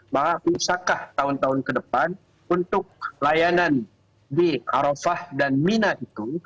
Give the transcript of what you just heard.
maka bisakah tahun tahun ke depan untuk layanan di arafah dan mina itu